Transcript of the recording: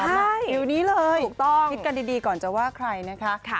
อาจารย์น้องเด็กปั๊นติดกันดีก่อนจะว่าใครนะคะ